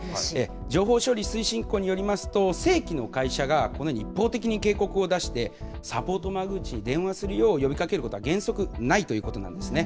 情報処理推進機構によりますと、正規の会社がこのように一方的に警告を出して、サポート窓口に電話するよう呼びかけることは、原則ないということなんですね。